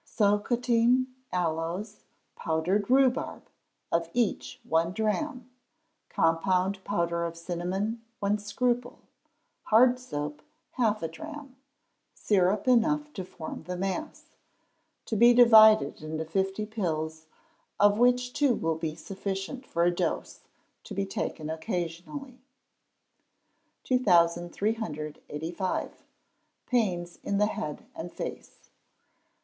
Socotine aloes, powdered rhubarb, of each one drachm; compound powder of cinnamon, one scruple; hard soap, half a drachm; syrup enough to form the mass. To be divided into fifty pills, of which two will be sufficient for a dose; to be taken occasionally. 2385. Pains in the Head and Face.